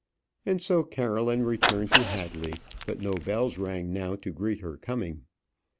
And so Caroline returned to Hadley; but no bells rang now to greet her coming.